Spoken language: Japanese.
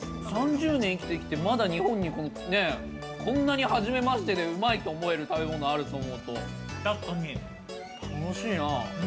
３０年生きてきて、まだ日本にこんなに初めましてで、うまいと思える食べ物があると思うと楽しいな。